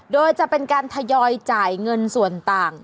โดยจะเป็นการทยอยจ่ายเงินส่วนต่าง